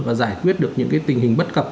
và giải quyết được những tình hình bất cập